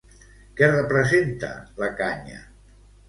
Què representa la canya?